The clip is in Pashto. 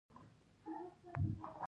چې افغانان څوک دي.